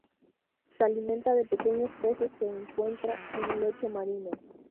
Se alimenta de pequeños peces que encuentra en el lecho marino.